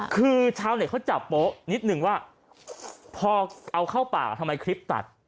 คือชาวเน็ตเขาจับโป๊ะนิดนึงว่าพอเอาเข้าปากทำไมคลิปตัด